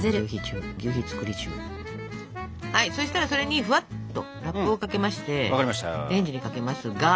そしたらそれにふわっとラップをかけましてレンジにかけますが。